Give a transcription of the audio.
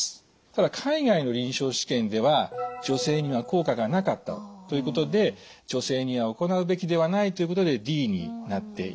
ただ海外の臨床試験では女性には効果がなかったということで女性には行うべきではないということでＤになっています。